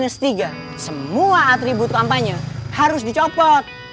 semua atribut kampanye harus dicopot